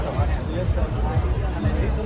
เธอรักโง่โง่